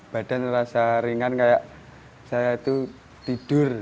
badan rasa ringan kayak saya itu tidur